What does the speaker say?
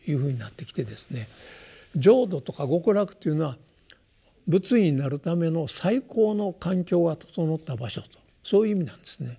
浄土とか極楽というのは仏になるための最高の環境が整った場所とそういう意味なんですね。